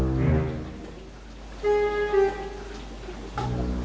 bapak mau jual tanahnya